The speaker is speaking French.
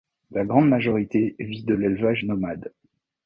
La grande majorité vit de l’élevage nomade.